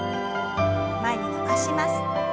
前に伸ばします。